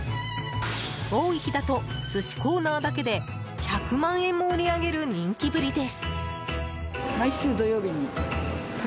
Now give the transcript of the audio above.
多い日だと寿司コーナーだけで１００万円も売り上げる人気ぶりです。